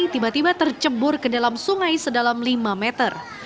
tiba tiba tercebur ke dalam sungai sedalam lima meter